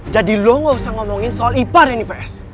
jadi lu gak usah ngomongin soal ipa deh nipres